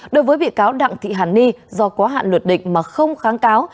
đối với bị cáo đặng thị hản ni do có hạn luật định mà không kháng cáo